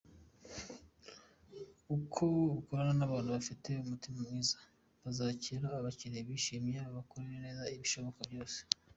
Ujye ukorana n’abantu bafite umutima mwiza bazakira abakiriya bishimye bakabakorera neza ibishoboka byose.